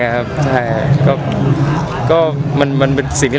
ตอนแรกไม่มีเลยครับ